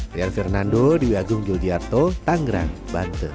rian fernando dewi agung gildiarto tangerang banten